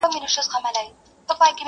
يوه ورځ كندو ته تلمه بېخبره؛